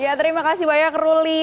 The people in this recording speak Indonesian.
ya terima kasih banyak ruli